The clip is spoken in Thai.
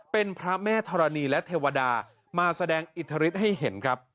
เป็นพระแม่ธรณีและเทวดามาแสดงอิทธิฤทธิ์ให้เห็นครับ